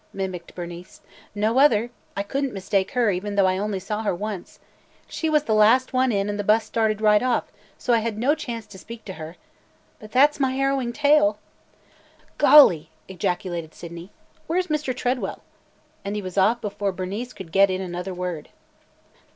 mimicked Bernice. "No other. I could n't mistake her, even though I only saw her once. She was the last one in and the bus started right off, so I had no chance to speak to her. But that 's my harrowing tale!" "Golly!" ejaculated Sydney. "Where 's Mr. Tredwell?" And he was off before Bernice could get in another word.